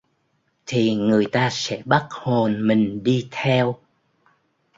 thì người ta sẽ bắt hồn mình đi theo